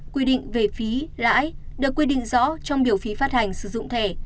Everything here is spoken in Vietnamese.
quy định về phí lãi được quy định rõ trong biểu phí phát hành sử dụng thẻ